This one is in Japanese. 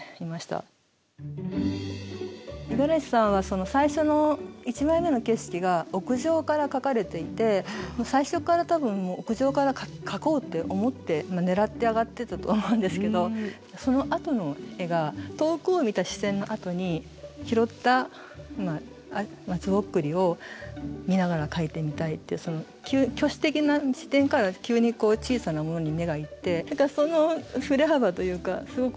五十嵐さんは最初の１枚目の景色が屋上から描かれていて最初から多分もう屋上から描こうって思って狙って上がってたと思うんですけどそのあとの絵が遠くを見た視線のあとに拾った松ぼっくりを見ながら描いてみたいっていう巨視的な視点から急に小さなものに目が行ってその振れ幅というかすごく面白いなって。